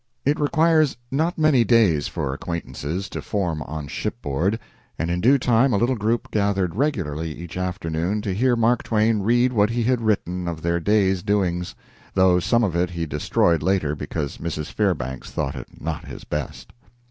It requires not many days for acquaintances to form on shipboard, and in due time a little group gathered regularly each afternoon to hear Mark Twain read what he had written of their day's doings, though some of it he destroyed later because Mrs. Fairbanks thought it not his best.